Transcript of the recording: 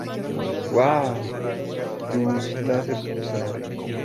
¡ Uau! ¡ luz láser pulsante !